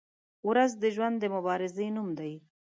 • ورځ د ژوند د مبارزې نوم دی.